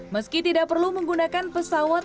meski tidak perlu menggunakan pesawat untuk berwisata